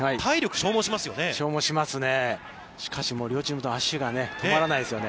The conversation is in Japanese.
消耗しますね。